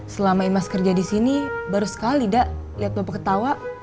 selama imas kerja disini baru sekali dah liat bapak ketawa